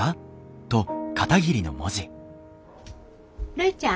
るいちゃん。